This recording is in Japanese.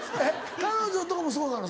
彼女んとこもそうなの？